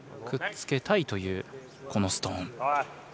くっつけたいというこのストーン。